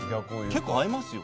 結構合いますよね。